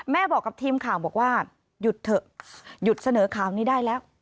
บอกกับทีมข่าวบอกว่าหยุดเถอะหยุดเสนอข่าวนี้ได้แล้ว